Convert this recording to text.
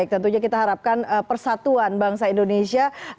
tentunya kita harapkan persatuan bangsa indonesia